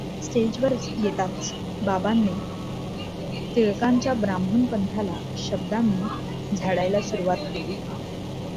स्टेजवर येताच बाबांनी टिळकांच्या ब्राह्मण पंथाला शब्दांनी झाडायला सुरुवात केली.